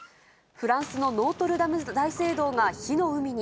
フランスのノートルダム大聖堂が火の海に。